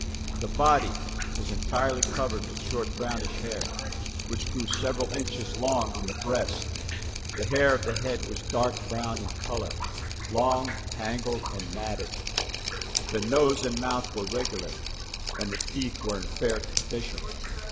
The body was entirely covered with short brownish hair which grew several inches long on the breast. The hair of the head was dark brown in color, long, tangled and matted. The nose and mouth were regular, and the teeth were in fair condition.